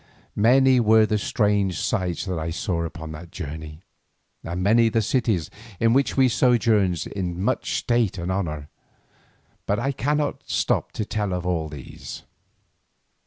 Many were the strange sights that I saw upon that journey, and many the cities in which we sojourned in much state and honour, but I cannot stop to tell of all these.